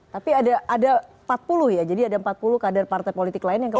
tapi ada empat puluh ya jadi ada empat puluh kader partai politik lain yang kemudian